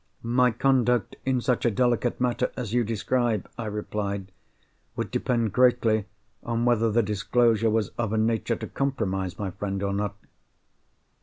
"My conduct in such a delicate matter as you describe," I replied, "would depend greatly on whether the disclosure was of a nature to compromise my friend or not."